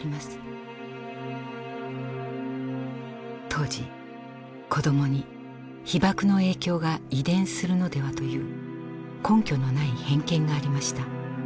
当時子供に被爆の影響が遺伝するのではという根拠のない偏見がありました。